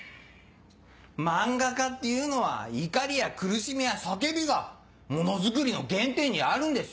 漫画家っていうのは怒りや苦しみや叫びがものづくりの原点にあるんです。